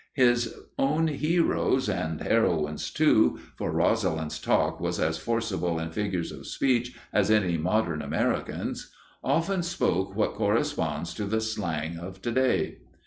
His own heroes (and heroines, too, for Rosalind's talk was as forcible in figures of speech as any modern American's) often spoke what corresponds to the slang of today.